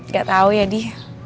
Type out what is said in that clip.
gak tau ya di